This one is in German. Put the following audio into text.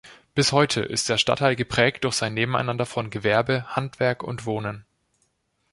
Bis heute ist der Stadtteil geprägt durch sein Nebeneinander von Gewerbe, Handwerk und Wohnen.